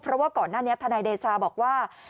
เพราะว่าก่อนหน้านี้ธนายเดชาบอกว่า